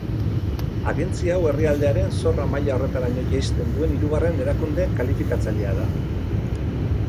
Agentzia hau herrialdearen zorra maila horretaraino jaisten duen hirugarren erakunde kalifikatzailea da.